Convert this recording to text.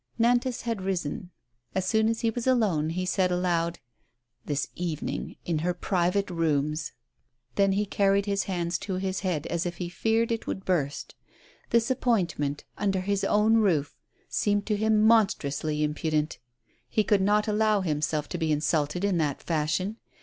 Nantas had risen. As soon as he was alone he said aloud :" This evening, in her private rooms." Then he carried his hands to his head, as if he feared it would burst. This appointment under his own roof seemed to him monstrously impudent. He could not allow himself to be insulted in that fashion.